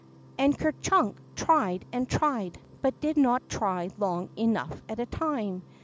• And Ker Chunk tried and tried, but did not try long enough at a time.